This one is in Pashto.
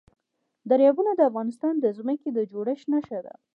دریابونه د افغانستان د ځمکې د جوړښت نښه ده.